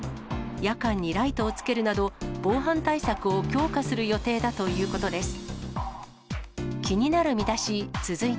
夜間にライトをつけるなど、防犯対策を強化する予定だということです。